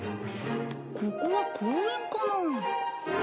ここは公園かな？